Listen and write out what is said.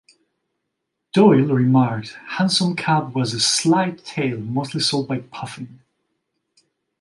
Doyle remarked, "Hansom Cab" was a slight tale, mostly sold by 'puffing'.